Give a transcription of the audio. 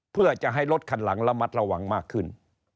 เพื่อจะให้รถคันหลังระมัดระวังมากขึ้น